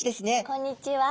こんにちは。